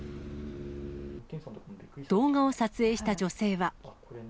動画を撮影した女性は。